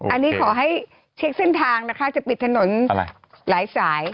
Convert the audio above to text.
อันนี้ขอให้เช็คเส้นทางนะคะจะปิดถนนหลายสาย